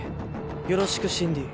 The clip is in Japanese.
「よろしくシンディー」